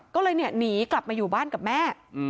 ก็เลยหนีกลับมาอยู่บ้านกับแม่